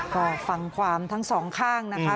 ก็ฟังความทั้งสองข้างนะคะ